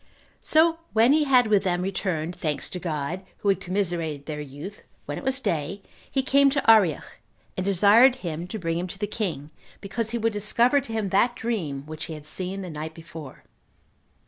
So when he had with them returned thanks to God, who had commiserated their youth, when it was day he came to Arioch, and desired him to bring him to the king, because he would discover to him that dream which he had seen the night before.